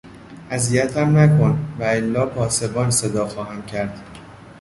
اذیتم نکن والا پاسبان صدا خواهم زد.